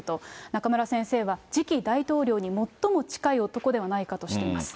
中村先生は、次期大統領に最も近い男ではないかとしています。